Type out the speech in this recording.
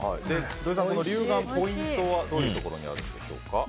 土井さん、竜眼のポイントはどういうところにあるんでしょうか。